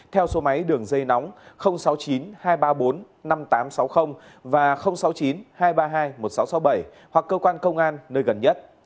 theo số máy đường dây nóng sáu mươi chín hai trăm ba mươi bốn năm nghìn tám trăm sáu mươi và sáu mươi chín hai trăm ba mươi hai một nghìn sáu trăm sáu mươi bảy hoặc cơ quan công an nơi gần nhất